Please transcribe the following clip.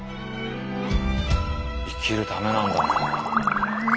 生きるためなんだ。